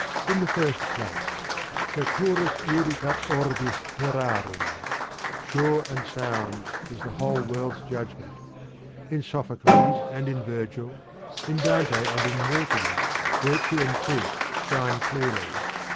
In the first place : Se curus judicat orbis terrarum : sure and sound is the whole world's judgment : in Sopho cles and in Virgil, in Dante and in Milton, virtue and truth shine clearly.